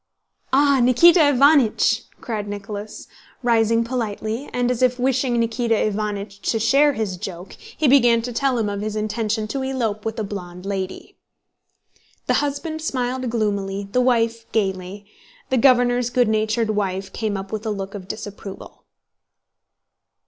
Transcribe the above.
"Ah, Nikíta Iványch!" cried Nicholas, rising politely, and as if wishing Nikíta Iványch to share his joke, he began to tell him of his intention to elope with a blonde lady. The husband smiled gloomily, the wife gaily. The governor's good natured wife came up with a look of disapproval.